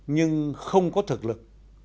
nhưng không có thực lực